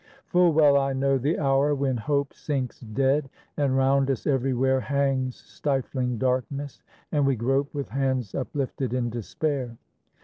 Full well I know the hour when hope Sinks dead, and 'round us everywhere Hangs stifling darkness, and we grope With hands uplifted in despair.